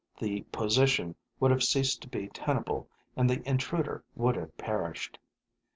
The position would have ceased to be tenable and the intruder would have perished.